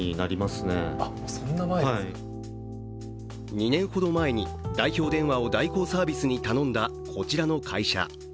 ２年ほど前に代表電話を代行サービスに頼んだこちらの会社。